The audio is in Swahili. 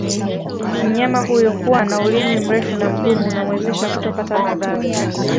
Mnyama huyo kuwa ana Ulimi mrefu na Mgumu unamwezesha kutopata madhara